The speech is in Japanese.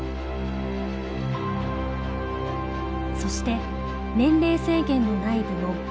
そして年齢制限のない部門。